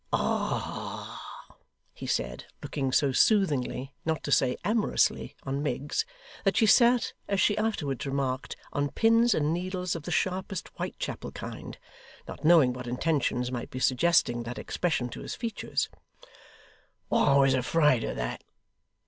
'Ah!' he said, looking so soothingly, not to say amorously on Miggs, that she sat, as she afterwards remarked, on pins and needles of the sharpest Whitechapel kind, not knowing what intentions might be suggesting that expression to his features: 'I was afraid of that.